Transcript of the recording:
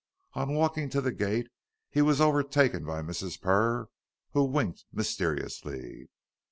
On walking to the gate, he was overtaken by Mrs. Purr, who winked mysteriously.